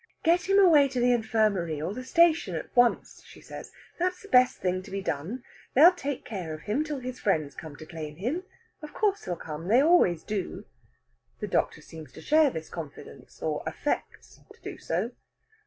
"Get him away to the infirmary, or the station at once," she says. "That's the best thing to be done. They'll take care of him till his friends come to claim him. Of course, they'll come. They always do." The doctor seems to share this confidence, or affects to do so.